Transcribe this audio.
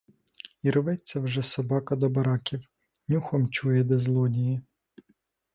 І рветься вже собака до бараків, нюхом чує, де злодії.